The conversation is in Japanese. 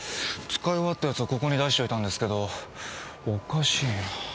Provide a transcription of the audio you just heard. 使い終わったやつをここに出しといたんですけどおかしいなぁ。